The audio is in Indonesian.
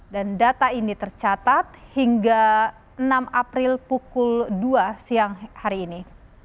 dan data ini tercatat hingga enam april pukul dua siang hari ini